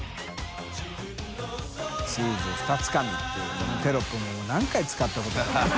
チーズ２つかみ」っていうこのテロップも發Σ寝使ったことか。